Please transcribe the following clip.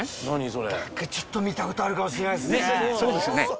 何かちょっと見たことあるもしれないっすね。